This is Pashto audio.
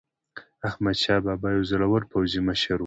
احمدشاه بابا یو زړور پوځي مشر و.